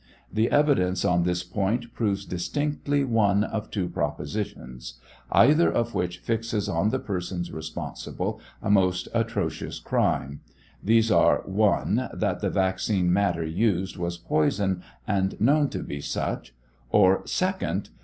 The evidence on this point proves distinctly one of two propositions, either of which fixes on the persons responsible a most atrocious crime ; these are, 1. That the vaccine matter used was poison and known to be such ; or 2d.